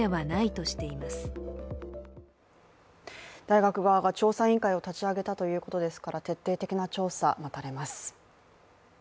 大学側が調査委員会を立ち上げたということですから徹底的な調査、待たれます。